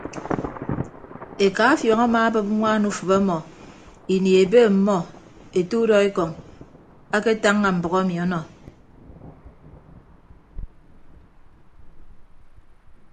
Eka afiọñ amaabịp ñwaan ufịp ọmọ ini ebe ọmmọ ete udọekọñ aketañña mbʌk emi ọnọ.